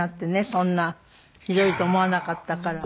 そんなひどいと思わなかったから。